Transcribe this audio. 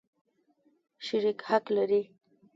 شریک حق لري.